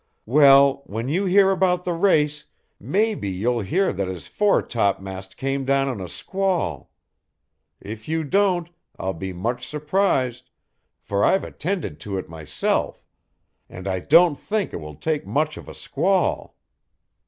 Well, when you hear about the race, maybe you'll hear that his foretopmast came down in a squall. If you don't, I'll be much surprised, for I've attended to it myself, and I don't think it will take much of a squall.